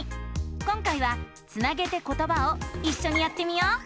今回は「つなげてことば」をいっしょにやってみよう！